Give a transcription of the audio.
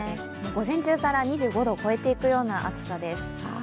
午前中から２５度を超えていくような暑さです。